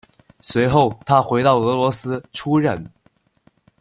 随后，他回到俄罗斯，出任。